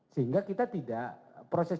sehingga kita tidak proses